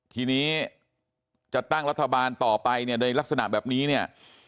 ทีนี้จะตั้งรัฐบาลต่อไปเนี่ยในลักษณะแบบนี้เนี่ย